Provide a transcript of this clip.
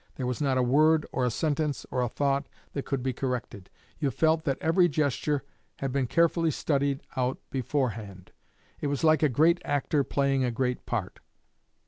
There was not a word or a sentence or a thought that could be corrected. You felt that every gesture had been carefully studied out beforehand. It was like a great actor playing a great part....